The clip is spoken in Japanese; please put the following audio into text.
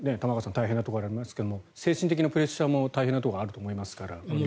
大変なところがありますが精神的なプレッシャーも大変なところがあると思いますから、両面。